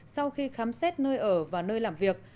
sau khi khám xét nơi ở và nơi làm việc